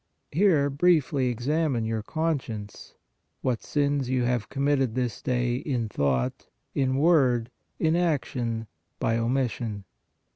(Here briefly examine your conscience: What sins have you committed this day in thought? in word? in action? by omission?